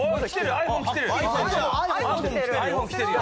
「ｉＰｈｏｎｅ」来てるよ。